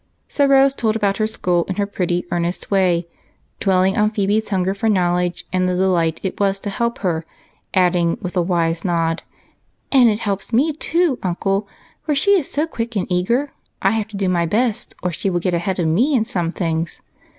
261 So Rose told about her school in her pretty, earnest way, dwelling on Phebe's hunger for knowledge, and the delight it was to help her, adding, with a wise nod, —" And it helps me too, uncle, for she is so quick and eager I have to do my best or she will get ahead of me in some things.